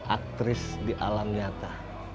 aktris di alam nyata